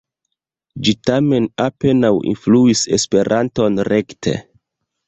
Ĝi tamen apenaŭ influis Esperanton rekte.